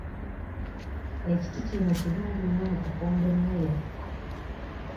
Ekiti kino kirungi nnyo mu kufumba emmere.